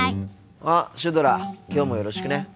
あっシュドラきょうもよろしくね。